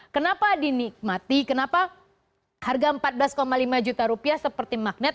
kenapa dinikmati kenapa harga empat belas lima juta rupiah seperti magnet